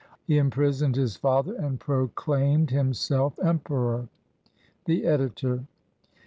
He imprisoned his father, and proclaimed himself emperor. The Editor.